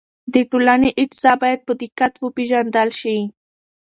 د ټولنې اجزا باید په دقت وپېژندل شي.